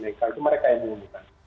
itu mereka yang mengumumkan